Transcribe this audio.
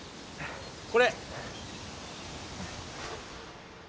これ